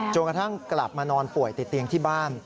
กระทั่งกลับมานอนป่วยติดเตียงที่บ้าน